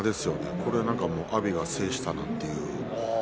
これを阿炎が制したなと。